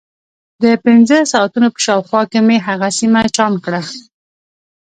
د پنځه ساعتونو په شاوخوا کې مې هغه سیمه چاڼ کړه.